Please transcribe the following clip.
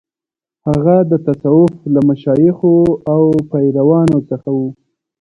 هغه د تصوف له مشایخو او پیرانو څخه و.